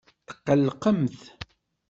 Tqellqemt.